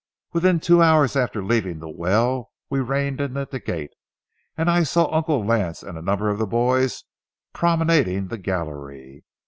Within two hours after leaving the well, we reined in at the gate, and I saw Uncle Lance and a number of the boys promenading the gallery.